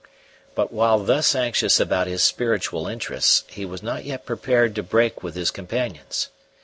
But while thus anxious about his spiritual interests, he was not yet prepared to break with his companions.